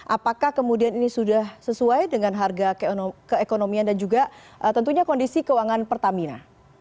apakah kemudian ini sudah sesuai dengan harga keekonomian dan juga tentunya kondisi keuangan pertamina